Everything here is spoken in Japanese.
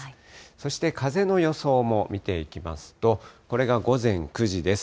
そして風の予想も見ていきますと、これが午前９時です。